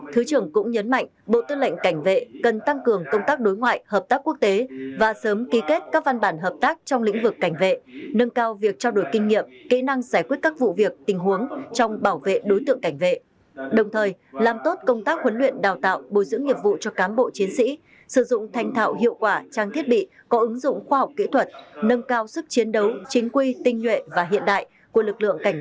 thứ trưởng cũng nhấn mạnh bộ tư lệnh cảnh vệ cần tăng cường công tác đối ngoại hợp tác quốc tế và sớm ký kết các văn bản hợp tác trong lĩnh vực cảnh vệ nâng cao việc trao đổi kinh nghiệm kỹ năng giải quyết các vụ việc tình huống trong bảo vệ đối tượng cảnh vệ đồng thời làm tốt công tác huấn luyện đào tạo bồi dưỡng nhiệm vụ cho cám bộ chiến sĩ sử dụng thành thạo hiệu quả trang thiết bị có ứng dụng khoa học kỹ thuật nâng cao sức chiến đấu chính quy tinh nhuệ và hiện đại của lực lượng